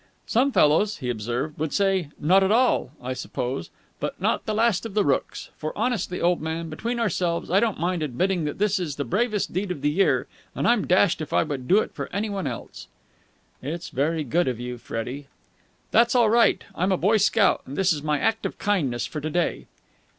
"Some fellows," he observed, "would say 'Not at all!' I suppose. But not the Last of the Rookes! For, honestly, old man, between ourselves, I don't mind admitting that this is the bravest deed of the year, and I'm dashed if I would do it for anyone else." "It's very good of you, Freddie...." "That's all right. I'm a Boy Scout, and this is my act of kindness for to day."